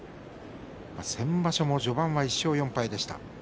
先場所も序盤は１勝４敗でした。